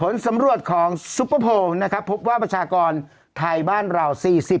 ผลสำรวจของซุปเปอร์โพลนะครับพบว่าประชากรไทยบ้านเรา๔๐